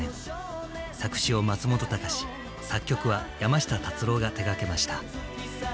作詞を松本隆作曲は山下達郎が手がけました。